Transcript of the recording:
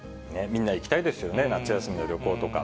みんな行きたいですよね、夏休みに旅行とか。